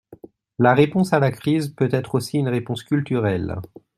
La réponse à la crise peut être aussi une réponse culturelle.